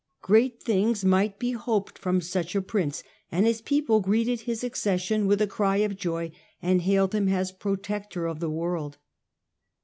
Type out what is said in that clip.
Great things might be hoped from such a prince, and his people greeted his accession with a cry of joy, and hailed him as " Protector of the World."